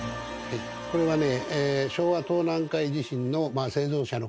これはね。